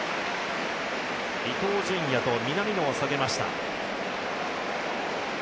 伊東純也と南野を下げました。